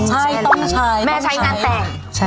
ใช่ต้องใช้แม่ใช้งานแต่ง